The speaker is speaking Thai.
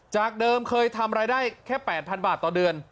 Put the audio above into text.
จากเดิมเคยทำรายได้แค่๘๐๐๐บาทต่อเดือน